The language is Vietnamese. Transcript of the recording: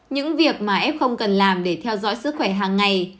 những việc mà f không cần làm để theo dõi sức khỏe hàng ngày